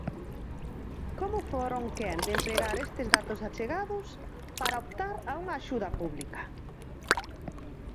¿Como foron quen de empregar estes datos achegados para optar a unha axuda pública?